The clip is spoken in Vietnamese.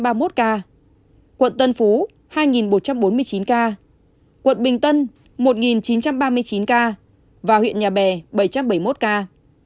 quận tân phú hai một trăm bốn mươi chín ca quận bình tân một chín trăm ba mươi chín ca và huyện nhà bè bảy trăm bảy mươi một ca